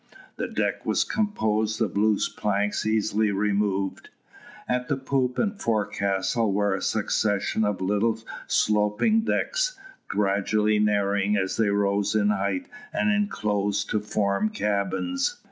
The deck was composed of loose planks easily removed. At the poop and forecastle were a succession of little sloping decks, gradually narrowing as they rose in height, and enclosed to form cabins.